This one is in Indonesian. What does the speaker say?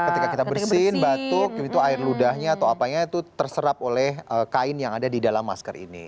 ketika kita bersin batuk air ludahnya atau apanya itu terserap oleh kain yang ada di dalam masker ini